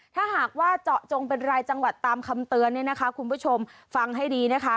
ถ้าหากว่าเจาะจงเป็นรายจังหวัดตามคำเตือนเนี่ยนะคะคุณผู้ชมฟังให้ดีนะคะ